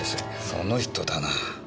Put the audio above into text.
その人だな。